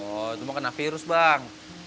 oh cuma kena virus bang